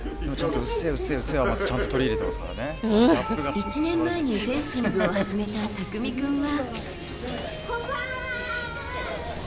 １年前にフェンシングを始めた匠君は。